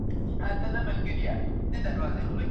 ښایي ډېر چاڼ د لوړ ږغ سره دلته راوړل سي.